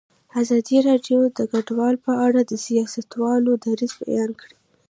ازادي راډیو د کډوال په اړه د سیاستوالو دریځ بیان کړی.